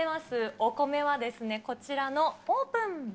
お米はですね、こちらのオープン。